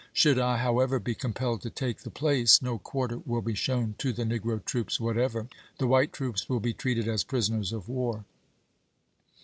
Should I, however, be compelled to take the place, no quarter will be shown to the negi'O troops whatever ; the white troops will be Ibid., p. 74. treated as prisoners of war."